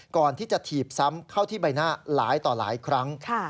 ก่อนที่จะถีบซ้ำเข้าที่ใบหน้าหลายต่อหลายครั้ง